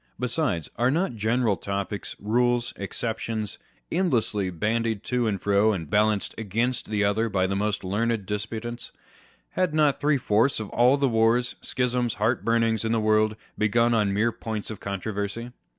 Besides, are not general topics, rules, exceptions, endlessly bandied to and fro, and balanced one against the other by the most learned disputants ? Have not three fourths of all the wars, schisms, heartburnings in the world begun on mere points of controversy